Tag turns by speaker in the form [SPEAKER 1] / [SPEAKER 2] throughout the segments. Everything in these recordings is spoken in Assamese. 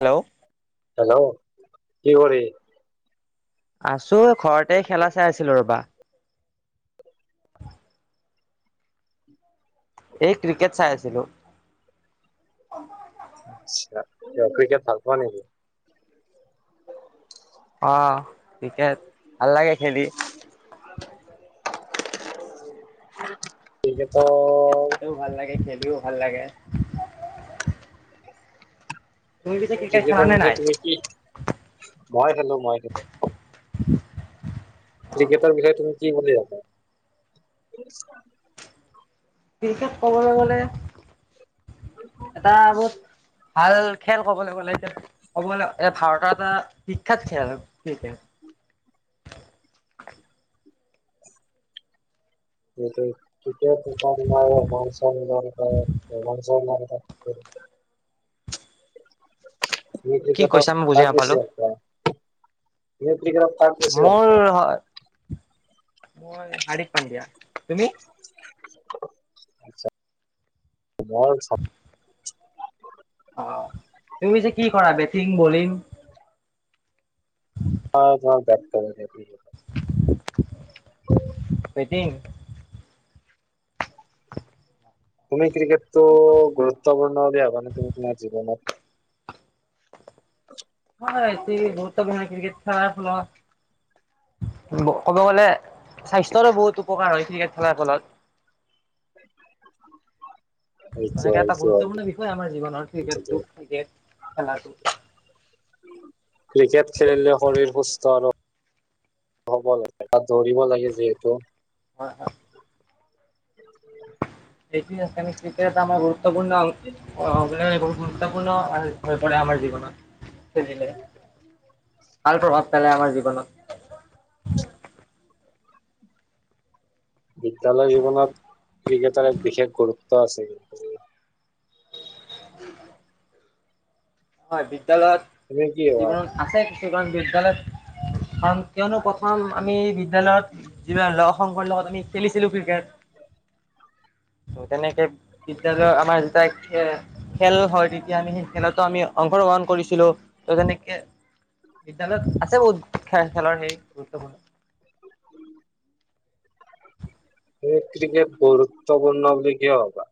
[SPEAKER 1] হেল্ল'
[SPEAKER 2] হেল্ল' কি কৰি
[SPEAKER 1] আছো ঘৰতে খেলা চাই আছিলো ৰবা এই ক্ৰিকেট চাই আছিলো
[SPEAKER 2] আা ক ক্ৰিকেট ভাল পোৱা নেকি
[SPEAKER 1] ক্ৰিকেট ভাল লাগে খেলি
[SPEAKER 2] টিকেতো
[SPEAKER 1] ও ভাল লাগে খেলিও ভাল লাগে তুমি পিছে ক্ৰিকেট খেলা
[SPEAKER 2] ক্ৰিকেটৰ
[SPEAKER 1] নে
[SPEAKER 2] বিষয়ে
[SPEAKER 1] নাই
[SPEAKER 2] তুমি কি মই খেলো মই খেলো ক্ৰিকেটৰ বিষয়ে তুমি কি বুলি আছে
[SPEAKER 1] ক্ৰিকেট ক'বলৈ গ'লে এটা বহুত ভাল খেল ক'বলৈ গ'লে এতি ক'ব এ ভাৰতৰ এটা বিখ্যাত খেল িক নাই
[SPEAKER 2] উটো নাই নাই
[SPEAKER 1] কি
[SPEAKER 2] মিটিকটো
[SPEAKER 1] কৈছা মই
[SPEAKER 2] ত
[SPEAKER 1] বুজি
[SPEAKER 2] বেছি
[SPEAKER 1] নাপালো
[SPEAKER 2] একটা এ [unintelligible]
[SPEAKER 1] মোৰ হয়। মই হাৰিক পাণ্ডিয়া তুমি?
[SPEAKER 2] মই
[SPEAKER 1] অহ তুমি যে কি কৰা বেটিং, বলিং।
[SPEAKER 2] হয় [inaudible]
[SPEAKER 1] [inaudible] বেটিং
[SPEAKER 2] তুমি ক্ৰিকেটটো গুৰুত্বপূৰ্ণ দিয়া মানে তুমি তোমাৰ জীৱনত? [inaudible]
[SPEAKER 1] হয় গুৰুত্ব পূৰ্ণ ক্ৰিকেট খেলাৰ ফলত, ক'ব গলে স্বাস্থ্যৰো বহুত উপকাৰ হয় ক্ৰিকেট খেলাৰ ফলত।
[SPEAKER 2] [unintelligible] এইটো
[SPEAKER 1] এনেকে
[SPEAKER 2] হয়
[SPEAKER 1] এটা
[SPEAKER 2] এইটো হয়।
[SPEAKER 1] গুৰুত্বপূৰ্ণ বিষয় আমাৰ জীৱনৰ ক্ৰিকেটটো-ক্ৰিকেট। খেলাটো।
[SPEAKER 2] ক্ৰিকেট খেলিলে শৰীৰ সুস্থ হব। হ'ব লাগে তাত দৌৰিব লাগে যিহেতু।
[SPEAKER 1] হয়-হয়। এইটো আ ক্ৰিকেট আমাৰ বহু ম্বপূৰ্ণয় [unintelligible] গুৰুত্বপূৰ্ণ হৈ পৰে আমাৰ জীৱনত। খেলিলে। ভাল প্ৰভাৱ পালে আমাৰ জীৱনত
[SPEAKER 2] বিদ্যালয় জীৱনত ক্ৰিকেটৰ এক বিশেষ গুৰুত্ব আছে।
[SPEAKER 1] হয়। বিদ্যালয়ত
[SPEAKER 2] তুমি কি ভাবা
[SPEAKER 1] জীৱনত আছে কিছু গাম বিদ্যালয়ত, কাৰণ কিয়নো প্ৰথম আমি বিদ্যালয়ত যিব ল শকৰ লগত আমি খেলিছিলো ক্ৰিকেট ত' তেনেকে বিদ্যালয়ত আমাৰ যেতিয়া খ খেল হয়। তেতিয়া আমি সেই খেলতো আমি অংশগ্ৰহণ কৰিছিলো ত তেনেকে খেলত আছে বহুত খে খেলৰ হেৰি গুৰুত্বপূৰ্ণ।
[SPEAKER 2] স ক্ৰিকেট গুৰুত্বপূৰ্ণ বুলি কি ভাবা।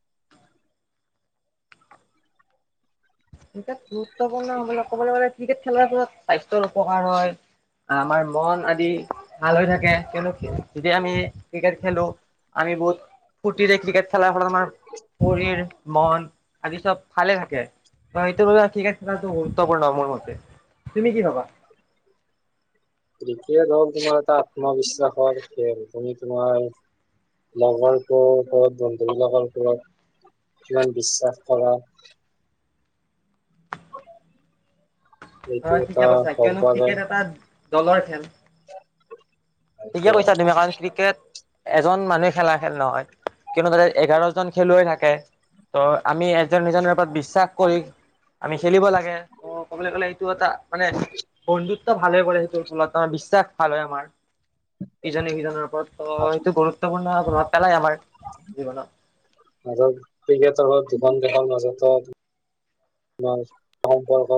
[SPEAKER 1] ক্ৰিকেট গুৰুত্বপূৰ্ণ হ'বলে ক'বলৈ গ'লে ক্ৰিকেট খেলা ফলত স্বাস্থ্যৰ উপকাৰ হয়, আমাৰ মন আদি ভাল হৈ থাকে কিয়নো যেতিয়া আমি ক্ৰিকেট খেলো আমি বহুত ফূৰ্তিৰে ক্ৰিকেট খেলা। প্ৰথম পৰিৰ মন আদি চব ভালে থাকে। সেইটো বাৰু ক্ৰিকেট খেলাটো হল গুৰুত্ব পূৰ্ণ মোৰ মতে, তুমি কি ভাবা?
[SPEAKER 2] ক্ৰিকেট হ'ল তোমাৰ এটা আত্মবিশ্বাসৰ খেল তুমি তোমাৰ লগৰটো ওপৰত বন্ধুবিলৰ ওপৰত কিমান বিশ্বাস কৰা। এইটো
[SPEAKER 1] হয় ঠিকে
[SPEAKER 2] এটা
[SPEAKER 1] কৈছা
[SPEAKER 2] গম
[SPEAKER 1] কিয়নো
[SPEAKER 2] পোৱা যায়।
[SPEAKER 1] ক্ৰিকেট এটা দলৰ খেল। [unintelligible] ক্ৰিকেট এজন মানুহে খেলা খেল নহয়, কিয়নো তাতে এঘাৰজন খেলুৱৈ থাকে ত' আমি নিজৰ, নিজৰ নিৰাপৰত বিশ্বাস কৰি আমি খেলিব লাগে ত' ক'বলৈ গ'লে সেইটো এটা মানে বন্ধুত্ব ভালে কৰে সেইটোৰ ফলত আমাৰ বিশ্বাস ভাল হয়, আমাৰ ইজনে সিজনৰ ওপৰত এইটো গুৰুত্বপূৰ্ণ প্ৰভাৱ পেলাই আমাৰ জীৱনত।
[SPEAKER 2] [unintelligible] আমাৰ সম্পৰ্ক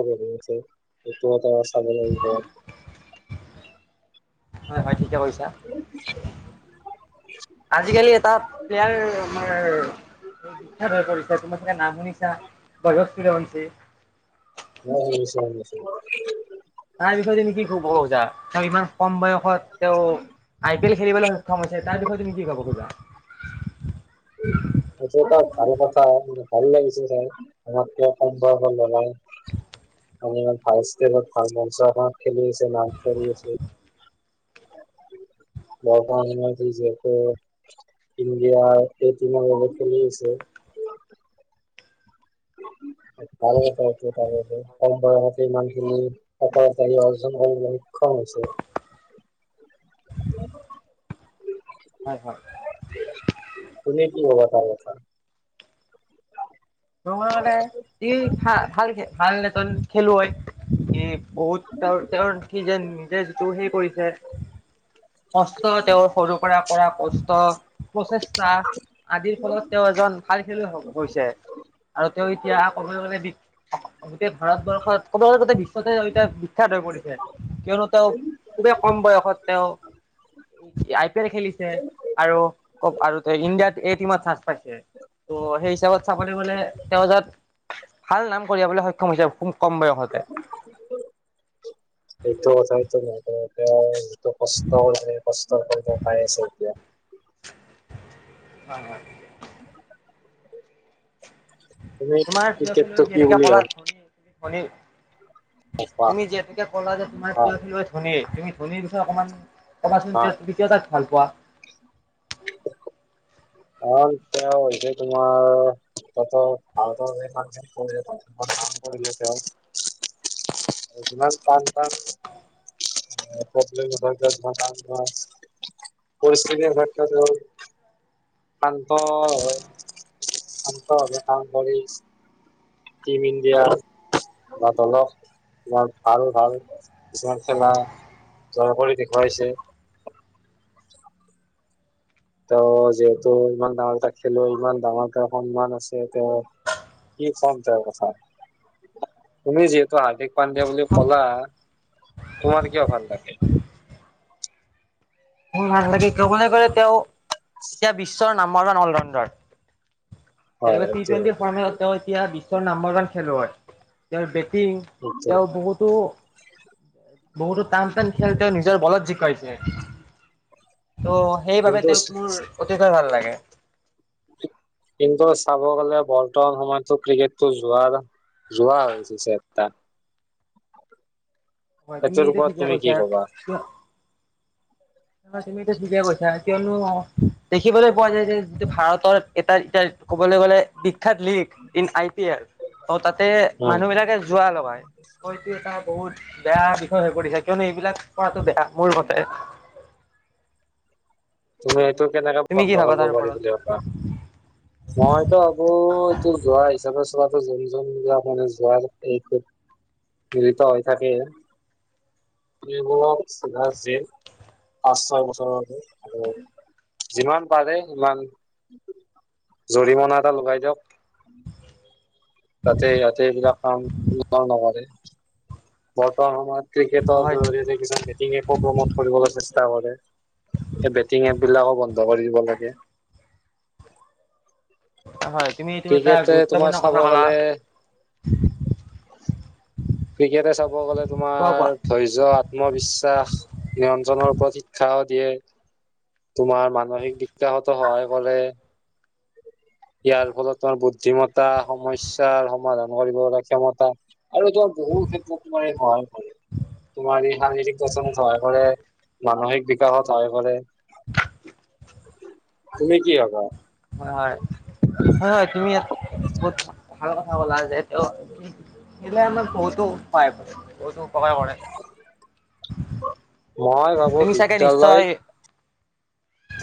[SPEAKER 2] গঢ়ি আছে সেইটো এটা চাব লাগিব।
[SPEAKER 1] হয়, হয় ঠিকে কৈছা। আজিকালি এটা প্লেয়াৰ আমাৰ বিখ্যাত হৈ পৰিছে তোমাৰ চাগে নাম শুনিছা? বয়স [unintelligible] [unintelligible]
[SPEAKER 2] [unintelligible]
[SPEAKER 1] তাৰ বিষয়ে তুমি কি ক'ব খোজা? তেওঁ ইমান কম বয়সত তেওঁ আই পি এল খেলিবলৈ সক্ষম হৈছে তাৰ বিষয়ে তুমি কি ক'ব খোজা?
[SPEAKER 2] সেইটো এটা ভাল কথা ভাল লাগিছে, চাই আমাৰ কিয় কম বয়সৰ ল'ৰাই ভাল ষ্টেজত, ভাল মঞ্চ এখন খেলি আছে, নাম কৰি আছে। [unintelligible] ইন্ডিয়া এই টিম বাবে খেলিছে। ভাল তাৰ কম বয়সতে ইমানখিনি সকল অৰ্জন কৰিবলৈ সক্ষম হৈছে।
[SPEAKER 1] হয় হয়
[SPEAKER 2] তুমি কি ক'বা? চাই আছা
[SPEAKER 1] তোমাৰ মানে [unintelligible] খেলুৱৈ হয় এই বহুত তেওঁৰ তেওঁৰ স যে নিজে যিটো সেই কৰিছে কষ্ট তেওঁৰ সৰু পৰা কৰা কষ্ট, প্ৰচেষ্টা, আদিৰ ফলত তেওঁ এজন ভাল খেলুৱৈ হৈছে। আৰু তেওঁ এতিয়া কবলৈ গ'লে দি গোটেই ভাৰতবৰ্ষত ক'ব গতে বিশ্বতে বিখ্যাত হৈ পৰিছে, কিয়নো তেওঁ খুবেই কম বয়সত তেওঁ আই পি এল খেলিছে আৰু, আৰু ইণ্ডিয়াত এই টিমত চাস পাইছে ত সেই হিচাপত চাবলৈ গলে ভাল নাম কহিয়াবলৈ সক্ষম হৈছে। কম বয়সতে।
[SPEAKER 2] এইটো চটো ম তেওঁ যিটো কষ্ট কষ্ট কৰি আছে তেওঁ এতিয়া ফল পাই আছে।
[SPEAKER 1] হয় হয়।
[SPEAKER 2] [inaudible] তুমি
[SPEAKER 1] তোমাৰ প্ৰিয় খেলুৱৈ
[SPEAKER 2] ক্ৰিকেটটো কি
[SPEAKER 1] যিহেতুকে
[SPEAKER 2] বুলি ভা
[SPEAKER 1] ক'লা [unintelligible] তুমি যিহেতুকে ক'লা যে তোমাৰ
[SPEAKER 2] হা
[SPEAKER 1] প্ৰিয়ছিল ধনী তুমি ধোনীৰ বিষয়ে অকমান ক'বাচোন,
[SPEAKER 2] হা
[SPEAKER 1] যাষ্ট তুমি কিয় তাক ভাল পোৱা।
[SPEAKER 2] অ', তেওঁ হৈছে তোমাৰ ত'ত ভ' কৰিলে কাম কৰিলে তেওঁ কিমান টান টান [unintelligible] পৰিস্হিতি থাকে তেওঁ। শান্ত হৈ শান্ত ভাবে কাম কৰি আছ টিম ইণ্ডিয়াৰ বা দলক ইমাৰ ভাল ভাল কিছুমান খেলা জয় কৰি দেখুৱাইছে। তেওঁ যিহেতু ইমান ডাঙৰ এটা খেলুৱৈ ইমান ডাঙৰ এটা সন্মান আছে তেওঁ কি কম তেওঁৰ কথা তুমি যিহেতু হাৰ্দিক পাণ্ডো বুলি কলা তোমাৰ কিয় ভাল লাগে
[SPEAKER 1] ম ভাল ল কি ক কনোই ক তেওঁ এতিয়া বিশ্বৰ নামৰ অল ৰাউণ্ড তেনে
[SPEAKER 2] হয়
[SPEAKER 1] টি টুৱেণ্টি
[SPEAKER 2] সেইটো
[SPEAKER 1] ফৰ্মেলত তেওঁ এতিয়া বিশ্বৰ নাম্বৰজন খেলুৱৈ ইয়াৰ বক্ত টিং
[SPEAKER 2] নিশ্চয়
[SPEAKER 1] তেওঁ বহুতো বহুতো টান টান খেল তেওঁ নিজৰ বলত জিকাইছে ত' সেইবাবে
[SPEAKER 2] কিন্তু
[SPEAKER 1] তেওঁক মোৰ অতিকয় ভাল লাগে
[SPEAKER 2] কিন্তু চাব গ'লে বল্ত সময়তো ক্ৰিকেটটো যোৱাৰ যোৱা হৈছে চ
[SPEAKER 1] হয় তুমি এইটো
[SPEAKER 2] এছৰপৰত তুমি কি কবা
[SPEAKER 1] ন তুমি ত যগাই পৈছা তেওঁ ন দেখিবলৈ পোৱা যায় যে যিটো ভাৰত এটা ক'বলৈ গ'লে বিখ্যাত league in I P L অ তাতে
[SPEAKER 2] উম
[SPEAKER 1] মানুহ বিিলাকে যোৱা লগাই এইটো এটা বহুত বেয়া বিষয়ে কৰি থাকে কিয়নো এইবিলাক কৰাটো বেয়া মোৰ মতে
[SPEAKER 2] তুমিটো কেনেকে
[SPEAKER 1] তুমি
[SPEAKER 2] বন্ধ
[SPEAKER 1] কি ভাবা
[SPEAKER 2] কৰিব
[SPEAKER 1] তাৰ
[SPEAKER 2] পাৰি
[SPEAKER 1] ওপৰত
[SPEAKER 2] বুলি কব মইতো ভাবো এইটোোৰ যোৱা হিচাপে চব যোন যবলাক মানে যোৱাৰ এই মিলিত হৈ থাকে এইবোৰ পাঁচ ছয় বছৰৰ আৰু যিমান পাৰে সিমান জৰিমনা এটা লগাই দিয়ক তাতে ইহতে এইবিলাক কাম ক নকৰে মট সমমাৰ ক্ৰিকেটৰ
[SPEAKER 1] হয়
[SPEAKER 2] জৰিয়তে কিছুমান বেটিং একো প্ৰমোট কৰিব লাগে কৰে বেটিং এপ বিলাকো বন্ধ কৰি দিব লাগে
[SPEAKER 1] হয় তুমি এইটো এটা
[SPEAKER 2] ক্ৰিকেট তোমাৰ
[SPEAKER 1] গুৰুত্বপূৰ্ণ
[SPEAKER 2] চাব
[SPEAKER 1] কথা ক'লা
[SPEAKER 2] গলে ক্ৰিকেট চাব গ'লে
[SPEAKER 1] কোৱা কোৱা
[SPEAKER 2] তোমাৰ ধৈৰ্য আত্মবিশ্বাস এটা নিয়ন্ত্ৰণৰ ওপৰত শিক্ষাও দিয়ে তোমাৰ মানসিক িকাহঁতো সহায় কৰে ইয়াৰ ফলত তোমাৰ বুদ্ধিমতা সমস্্যাৰ সমাধান কৰিব ক্ষমতা আৰু তোমাৰ বহু ক্ষেত্ৰতমাৰ সহায় কৰে তোমাৰ এই শাৰীৰিক পচনত সহায় কৰে মানসিক বিকাশত সহায় কৰে তুমি কি হবা
[SPEAKER 1] হয়, হয়। হয়-হয়, তুমি ইয়াত কত ভাল কথা কলা যিহেতু খেলে আমাৰ বহুতো উপায়, বহুতো উপকাৰ কৰে।
[SPEAKER 2] মই ভাবো
[SPEAKER 1] তুমি চাগে
[SPEAKER 2] বিদ্যালয়
[SPEAKER 1] নিশ্চয়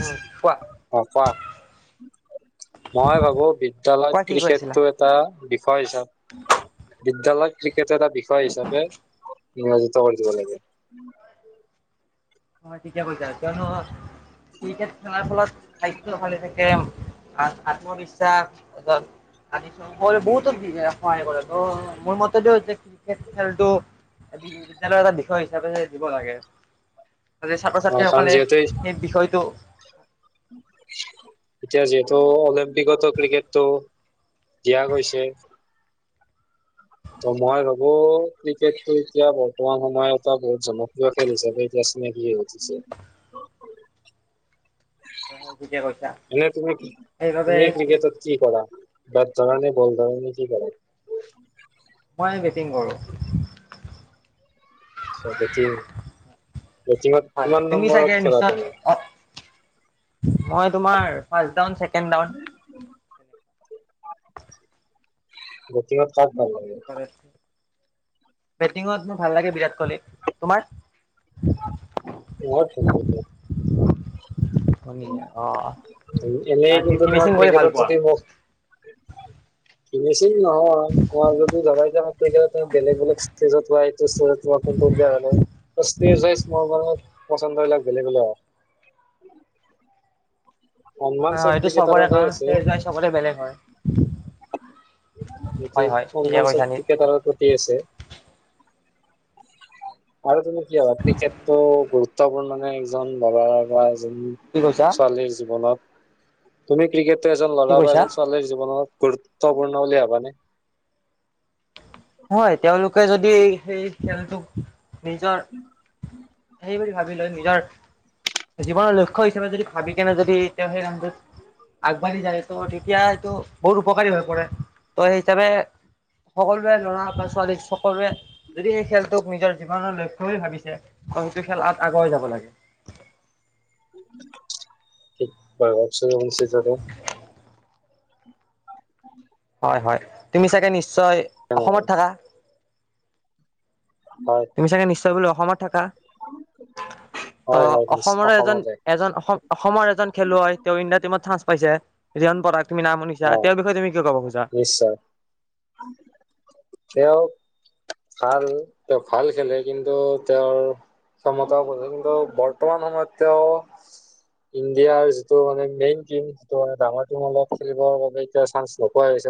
[SPEAKER 1] উম কোৱা
[SPEAKER 2] অ, কোৱা। [unintelligible] মই ভাবো বিদ্যালয়ত
[SPEAKER 1] কোৱা কি কৈ
[SPEAKER 2] ক্ৰিকেট
[SPEAKER 1] আছিলা
[SPEAKER 2] টো এটা বি হয়, চব, বিদ্যালয়ত ক্ৰিকেট এটা বি ক হিচাপে [unintelligible] দিব লাগে।
[SPEAKER 1] অ, ঠিকে কৈছা কিয়নো, ক্ৰিকেট খেলাৰ ফলত স্বাস্থ্য ভালে থাকে। আত-আত্মবিশ্বাস, তাছত আনিছো। [unintelligible] বহুতো [unintelligible] সহায় কৰে তো, মোৰ মতেটো [unintelligible] খেলটো, বি-বিদ্যালয়ৰ এটা বিষয় হিচাপে যে দিব লাগে। আজি
[SPEAKER 2] অ কাৰণ
[SPEAKER 1] ছাত্ৰ-ছাত্ৰীসকলে
[SPEAKER 2] যিহেতু
[SPEAKER 1] সেই বিষয়টো
[SPEAKER 2] এতিয়া যিহেতু, অলিম্পিকতো ক্ৰিকেটটো দিয়া গৈছে। তো মই ভাবো, ক্ৰিকেটটো এতিয়া বৰ্তমান সময়ত এটা বহুত জনপ্ৰিয় খেল হিচাপে, এতিয়া চিনাকি হৈ উঠিছে।
[SPEAKER 1] হয় ঠিকে কৈছা
[SPEAKER 2] এনে তুমি
[SPEAKER 1] সেইবাবে
[SPEAKER 2] কি-তুমি ক্ৰিকেটত কি কৰা? বেত ধৰা নে, বল ধৰা নে, কি কৰা?
[SPEAKER 1] মই বেটিং কৰো।
[SPEAKER 2] [unintelligible] বেটিং, বেটিংট
[SPEAKER 1] হয় হয়,
[SPEAKER 2] কিমান
[SPEAKER 1] তুমি চাগে
[SPEAKER 2] নম্বৰত খেলা
[SPEAKER 1] নিশ্চয়
[SPEAKER 2] তুমি?
[SPEAKER 1] মই তোমাৰ ফাষ্ট ডাউন চেক [unintelligible]
[SPEAKER 2] বেতিংট কাক ভাল লাগে?
[SPEAKER 1] বেটিংত, মোৰ ভাল লাগে বিৰাট কহলি। তোমাৰ?
[SPEAKER 2] মোৰ
[SPEAKER 1] শুনি, অ'।
[SPEAKER 2] এনেই
[SPEAKER 1] আৰু তুমি
[SPEAKER 2] কিন্তু,
[SPEAKER 1] ফিনিচিং
[SPEAKER 2] তোমাৰ
[SPEAKER 1] কৰি ভাল
[SPEAKER 2] ক্ৰিকেটত
[SPEAKER 1] পোৱা
[SPEAKER 2] যদি মোক ফিনিছিং নহয়, তোমাৰ যদি ধৰা ইতা ক্ৰিকেটত বেলেগ বেলেগ ষ্টেজত যায় ষ্টেজত তোমাৰ কোনটো ক্লিয়াৰ হোৱা নাই। Stage wise. [unintelligible] পছন্দ বিলাক বেলেগ বেলেগ হয়। সন্মান
[SPEAKER 1] হয়!
[SPEAKER 2] চব
[SPEAKER 1] হয়! এইটো চবৰে
[SPEAKER 2] ক্ৰিকেটাৰৰে আছে
[SPEAKER 1] কাৰণ চবৰে বেলেগ হয়!
[SPEAKER 2] এইটো
[SPEAKER 1] হয়! হয়
[SPEAKER 2] সন্মান
[SPEAKER 1] ঠিকে
[SPEAKER 2] চব
[SPEAKER 1] কৈছা তুমি।
[SPEAKER 2] ক্ৰিকেটাৰৰ প্ৰতি আছে। আৰু তুমি কি ভাবা? ক্ৰিকেটটো গুৰুত্বপূৰ্ণ নে? এজন উ
[SPEAKER 1] কি কৈছা
[SPEAKER 2] চালি য [unintelligible] তুমি ক্ৰিকেট- এজন
[SPEAKER 1] কি
[SPEAKER 2] ল'ৰা বা
[SPEAKER 1] কৈছা
[SPEAKER 2] এজনী ছোৱালীৰ জীৱনত- গুৰুত্বপূৰ্ণ বুলি ভাবা নে?
[SPEAKER 1] হয়, তেওঁলোকে যদি সেই খেলটোোক- নিজৰ সেইব [unintelligible] ভাবি লৈ নিজৰ জীৱনৰ লক্ষ্য হিচাপে যদি ভাবি কেনে যদি তেওঁ সেই নামটোত আগবাঢ়ি যায়। তেতিয়া এইটো বহুত উপকাৰী হৈ পৰে। ত- সেই হিচাপে সকলো- লৰা বা ছোৱালী সকলোৱে যদি এই খেলটোক নিজৰ জীৱনৰ লক্ষ্য বুলি ভাবিছে। সেইটো খেলত আগুৱাই যাব লাগে।
[SPEAKER 2] বাৰছছে যতে [unintelligible]
[SPEAKER 1] হয় -হয়। তুমি চাগে নিশ্চয়- নিশ্চয় অসমত
[SPEAKER 2] হয়
[SPEAKER 1] থাকা? তুমি চাগ নি্চয় [unintelligible] অসমত থাকা।
[SPEAKER 2] হয়
[SPEAKER 1] অ-
[SPEAKER 2] হয় নিশ্চ
[SPEAKER 1] অসমৰে এজন।
[SPEAKER 2] অসমতে
[SPEAKER 1] এজন অসম- অসমৰ এজন খেলুৱৈ, তেওঁ ইণ্ডিয়া টীমত চান্স পাইছে। ৰিয়ান পৰাগ নামশুনিছা।
[SPEAKER 2] অ
[SPEAKER 1] তেওঁৰ বিষয়ে তুম কি কবা?
[SPEAKER 2] নিশ্চয়। তেওঁ- ভাল, তেওঁ ভাল খেলে। কিন্তু তেওঁৰ ক্ষমতাও ক [unintelligible] কিন্তু বৰ্তমান সময়ত তেওঁ ইণ্ডিয়াৰ যিটো মানে মেইন টিম সিটো মানে ডাঙৰ টিম অলপ খেলিবৰ বাবে এতিয়া চানস নোোপোৱা হৈছে।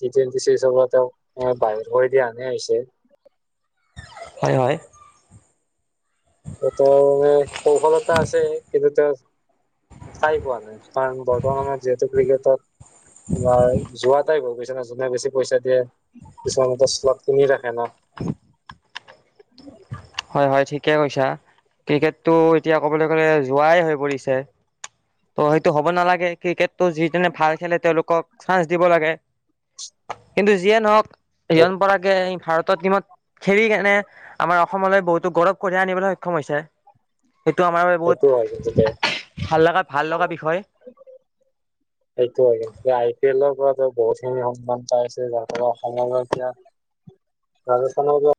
[SPEAKER 2] টি টুৱেটি চিজৰ পৰা তেওঁক বাহিৰ কৰি দিয়া হেন হৈছে।
[SPEAKER 1] হয়-হয়।
[SPEAKER 2] তেওঁৰ মানে কৌশলতা আছে কিন্তু তেওঁ চাই কোৱা নাই। কাৰণ বৰ্তমানত যিহেতু ক্ৰিকেটত - তোমাৰ- যোৱাটাই ভাব পুছে [unintelligible] যোনে বেছি পইচা দিয়ে। কিছুমান মতে শ্লট কিনি ৰাখে ন?
[SPEAKER 1] হয় হয় ঠিকে কৈছা। ক্ৰিকেটটো এতিয়া ক'বলৈ গলে জুৱাই হৈ পৰিছে। ত-' সেইটো হ'ব নালাগে ক্ৰিকেটটো যিজনে ভাল খেলে তেওঁলোকক চানস দিব লাগে। কিন্তু যিয়ে নহওক- ৰিয়ান পৰাৰ ভাৰত ত- টীমত- খেেলি কেনে আমাৰ- অসমলৈ বহুতো গৌৰৱ কঢ়িয়াই আনিবলৈ সক্ষম হৈছে। সেইটো আমাৰ বাবে
[SPEAKER 2] সেইটো হয় কিন্তু তে
[SPEAKER 1] বহুত ভাল লগা- ভাল লগা বিষয়।
[SPEAKER 2] সেইটোৱে কিন্তু আই পি এলৰ পৰাতো বহুতখিনি সন্মান পাইছে। যাৰ অসমৰ এতিয়া ৰাজস্থানৰ য-